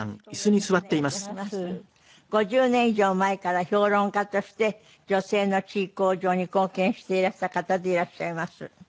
５０年以上前から評論家として女性の地位向上に貢献していらした方でいらっしゃいます。